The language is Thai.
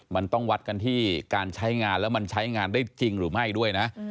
มันต้องวัดกันที่การใช้งานแล้วมันใช้งานได้จริงหรือไม่ด้วยนะ